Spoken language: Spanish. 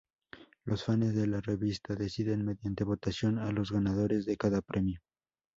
Los fanes de la revista deciden mediante votación a los ganadores de cada premio.